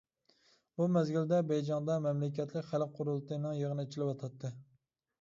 بۇ مەزگىلدە بېيجىڭدا مەملىكەتلىك خەلق قۇرۇلتىيىنىڭ يىغىنى ئېچىلىۋاتاتتى.